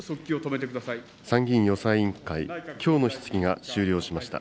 参議院予算委員会、きょうの質疑が終了しました。